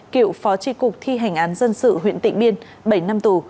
cựu phó tri cục thi hành án dân sự huyện tịnh biên bảy năm tù